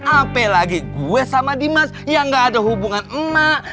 apalagi gue sama dimas yang gak ada hubungan emak